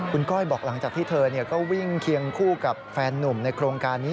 คุณก้อยบอกหลังจากที่เธอก็วิ่งเคียงคู่กับแฟนนุ่มในโครงการนี้